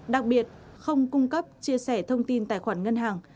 đặc biệt không cung cấp chia sẻ thông tin tài khoản ngân hàng